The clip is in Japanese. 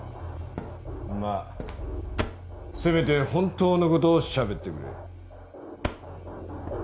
まあせめて本当の事をしゃべってくれ。